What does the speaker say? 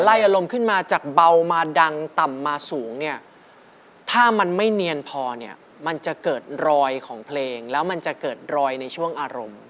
อารมณ์ขึ้นมาจากเบามาดังต่ำมาสูงเนี่ยถ้ามันไม่เนียนพอเนี่ยมันจะเกิดรอยของเพลงแล้วมันจะเกิดรอยในช่วงอารมณ์